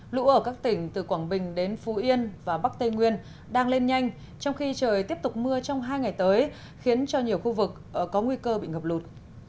lũ ở các tỉnh từ quảng bình đến phú yên và bắc tây nguyên đang lên nhanh trong khi trời tiếp tục mưa trong hai ngày tới khiến cho nhiều khu vực có nguy cơ bị ngập lụt